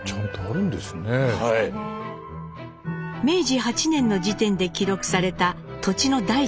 明治８年の時点で記録された土地の台帳です。